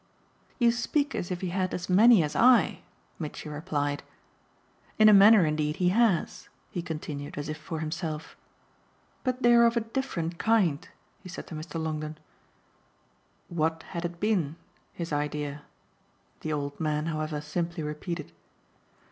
"You speak as if he had as many as I!" Mitchy replied. "In a manner indeed he has," he continued as if for himself. "But they're of a different kind," he said to Mr. Longdon. "What had it been, his idea?" the old man, however, simply repeated.